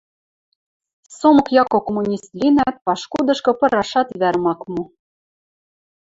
Сомок Яко коммунист линӓт, пашкудышкы пырашат вӓрӹм ак мо.